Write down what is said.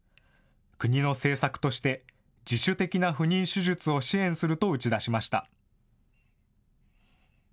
国の政策として、自主的な不妊手術を支援すると打ち出しました。